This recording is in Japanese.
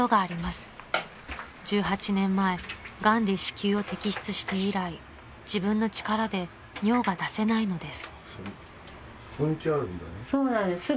［１８年前がんで子宮を摘出して以来自分の力で尿が出せないのです］